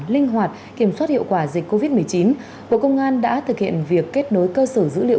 linh hoạt kiểm soát hiệu quả dịch covid một mươi chín bộ công an đã thực hiện việc kết nối cơ sở dữ liệu